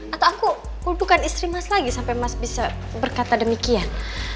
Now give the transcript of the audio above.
atau aku kuldukan istri mas lagi sampai mas bisa berkata demikian